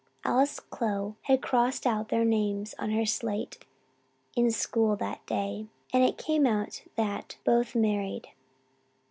Alice Clow had "crossed out" their names on her slate in school that day, and it came out that "both married."